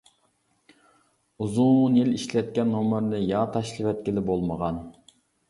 ئۇزۇن يىل ئىشلەتكەن نومۇرنى يا تاشلىۋەتكىلى بولمىغان.